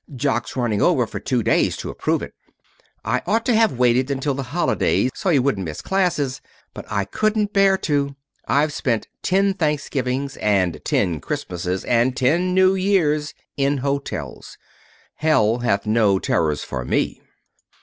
Jock's running over for two days to approve it. I ought to have waited until the holidays, so he wouldn't miss classes; but I couldn't bear to. I've spent ten Thanksgivings, and ten Christmases, and ten New Years in hotels. Hell has no terrors for me."